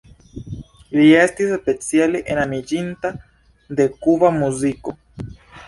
Li estis speciale enamiĝinta de Kuba muziko.